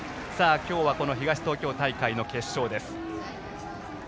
今日はこの東東京大会の決勝です。